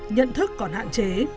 nhận thức còn hạn chế